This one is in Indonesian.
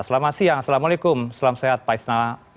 selamat siang assalamualaikum selamat siang pak isnawa aji